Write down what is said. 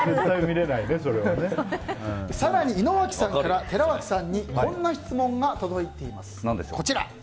更に井之脇さんから寺脇さんにこんな質問が届いています。